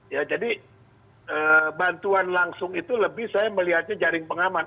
ya jadi bantuan langsung itu lebih saya melihatnya jaring pengaman